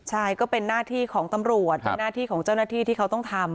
ใช่ก็เป็นหน้าที่ของตำรวจเป็นหน้าที่ของเจ้าหน้าที่ที่เขาต้องทำ